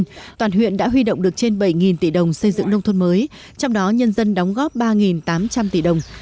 từ năm hai nghìn toàn huyện đã huy động được trên bảy tỷ đồng xây dựng nông thuận mới trong đó nhân dân đóng góp ba tám trăm linh tỷ đồng